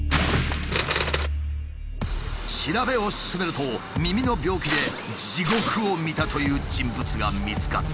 調べを進めると耳の病気で地獄を見たという人物が見つかった。